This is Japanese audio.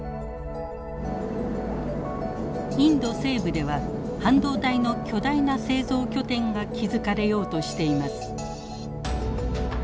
インド西部では半導体の巨大な製造拠点が築かれようとしています。